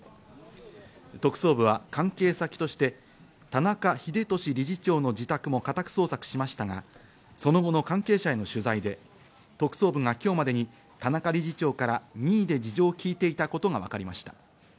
特捜部は関係先として田中英壽理事長の家も家宅捜索しましたが、その後の関係者への取材で特捜部が今日までに田中理事長から任意で事情聞いていたことが分かりました。